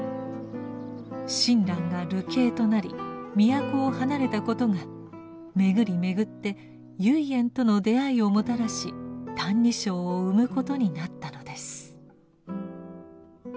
親鸞が流刑となり都を離れたことが巡り巡って唯円との出会いをもたらし「歎異抄」を生むことになったのです。